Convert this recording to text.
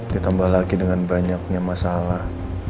ditambah lagi dengan banyaknya masalah